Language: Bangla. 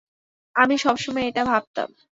আমি সবসময় এটা ভাবতাম।